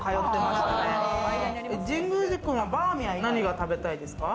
神宮寺君はバーミヤンで何が食べたいですか？